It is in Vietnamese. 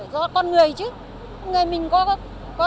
do con người chứ con người mình có cái trách nhiệm